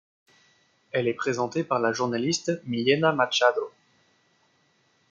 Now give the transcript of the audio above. Elle est présentée par la journaliste Millena Machado.